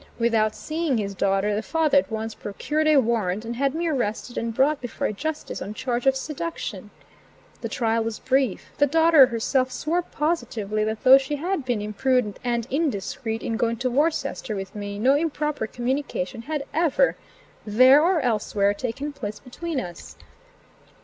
Without seeing his daughter, the father at once procured a warrant, and had me arrested and brought before a justice on charge of seduction. The trial was brief; the daughter herself swore positively, that though she had been imprudent and indiscreet in going to Worcester with me, no improper communication had ever, there or elsewhere, taken place between us.